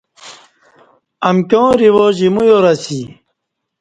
امکیاں رواج ایمو یار اسی